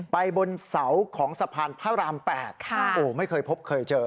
บนเสาของสะพานพระราม๘ไม่เคยพบเคยเจอ